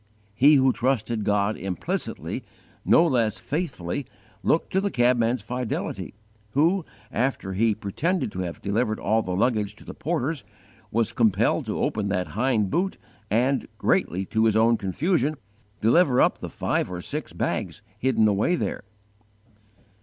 _ He who trusted God implicitly, no less faithfully looked to the cabman's fidelity, who, after he pretended to have delivered all the luggage to the porters, was compelled to open that hind boot and, greatly to his own confusion, deliver up the five or six bags hidden away there.